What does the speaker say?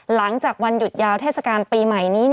หลังจากวันหยุดยาวเทศกาลปีใหม่นี้